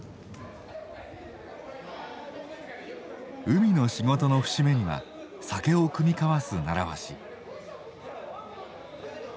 海の仕事の節目には酒を酌み交わすならわし。